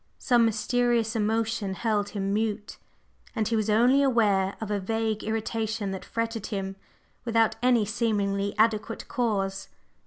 Some mysterious emotion held him mute, and he was only aware of a vague irritation that fretted him without any seemingly adequate cause.